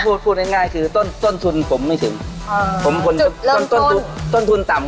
ต้นทุนในการเป็นเชฟสูงมาก